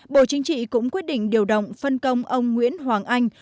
bộ chính trị cũng quyết định điều động phân công ông nguyễn hoàng anh